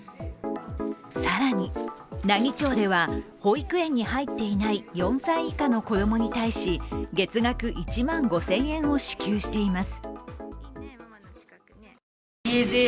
更に、奈義町では保育園に入っていない４歳以下の子供に対し、月額１万５０００円を支給しています。